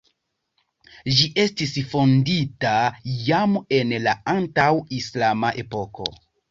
Ĝi estis fondita jam en la antaŭ-islama epoko.